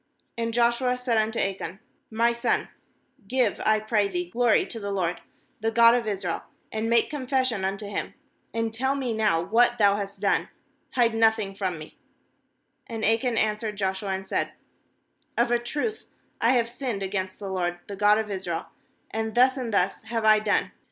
"And Joshua said unto Achan: 'My son, give, I pray thee, glory to the LORD, the God of Israel, and make confession unto Him; and tell me now what thou hast done; hide nothing from me/ 20And Achan answered Joshua, and said: 'Of a truth I have sinned against the LORD, the God of Israel, and thus and thus have I done.